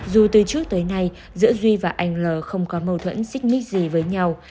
dù từ trước tới nay giữa duy và anh l không có mâu thuẫn xích mít gì với nhau